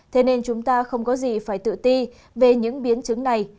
thế nên chúng ta không có gì phải tự ti về những biến chứng này